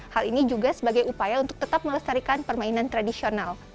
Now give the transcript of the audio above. hal ini juga sebagai upaya untuk tetap melestarikan permainan tradisional